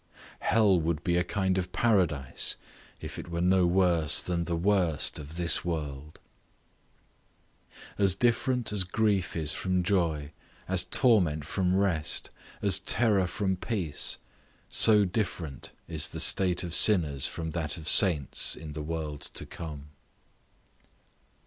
Hell would be a kind of paradise, if it were no worse than the worst of this world. As different as grief is from joy, as torment from rest, as terror from peace; so different is the state of sinners from that of saints in the world to come.